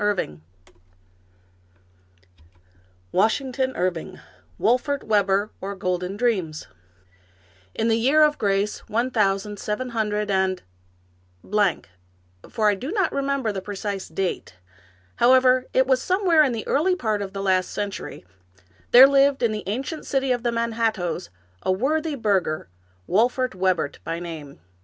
164 Washington Irving Wolfert Webber or Golden Dreams T N the year of grace one thousand seven hundred and — blank — for I do not remember the precise date ; however, it was somewhere in the early part of the last century, — there lived in the ancient city of the Manhattoes a worthy burgher, Wolfert Webber by name.